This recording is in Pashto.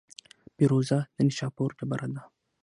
فیروزه د نیشاپور ډبره ده.